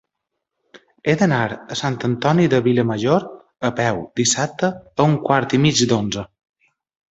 He d'anar a Sant Antoni de Vilamajor a peu dissabte a un quart i mig d'onze.